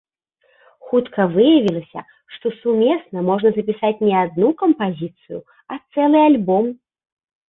Хутка выявілася, што сумесна можна запісаць не адну кампазіцыю, а цэлы альбом.